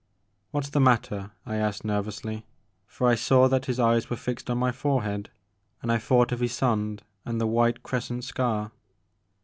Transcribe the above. " What 's the matter? " I asked nervously, for I saw that his eyes were fixed on my forehead, and I thought of Ysonde and the white crescent scar.